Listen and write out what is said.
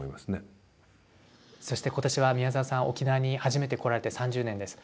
そして今年は宮沢さん沖縄に初めて来られて３０年です。